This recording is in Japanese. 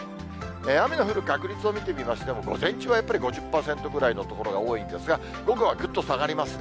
雨の降る確率を見てみましても、午前中はやっぱり５０％ぐらいの所が多いんですが、午後はぐっと下がりますね。